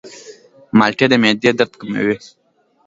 مالټې د معدې درد کموي.